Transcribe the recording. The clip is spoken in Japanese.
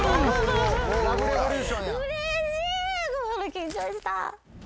緊張した。